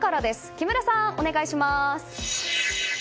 木村さん、お願いします。